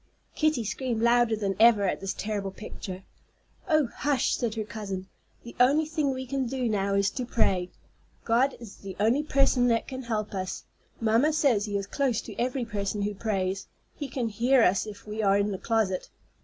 Kitty screamed louder than ever at this terrible picture. "Oh, hush!" said her cousin. "The only thing we can do now is to pray. God is the only person that can help us. Mamma says he is close to every person who prays. He can hear us if we are in the closet."